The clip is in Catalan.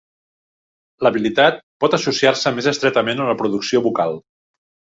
L'habilitat pot associar-se més estretament a la producció vocal.